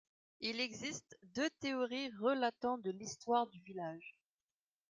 Il existe deux théories relatant de l'histoire du village.